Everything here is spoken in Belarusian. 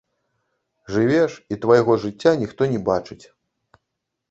Жывеш, і твайго жыцця ніхто не бачыць.